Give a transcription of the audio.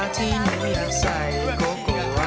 เตรียมตัวครับ